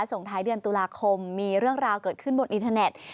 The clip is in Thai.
ส่งท้ายเดือนตุลาคมมีเรื่องราวเกิดขึ้นบนอินเทอร์เน็ต